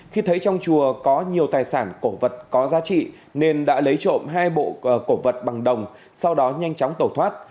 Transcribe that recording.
khi thấy trong chùa có nhiều tài sản cổ vật có giá trị nên đã lấy trộm hai bộ cổ vật bằng đồng sau đó nhanh chóng tẩu thoát